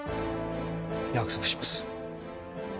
約束します。